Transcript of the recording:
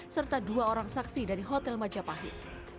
serta dua orang saksi dari hotel majapahit